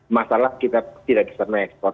masalah kita tidak bisa mengekspor